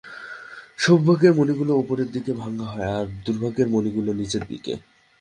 সৌভাগ্যের মণিগুলো ওপরের দিকে ভাঙ্গা হয়, আর দুর্ভাগ্যের মণিগুলো নিচের দিকে।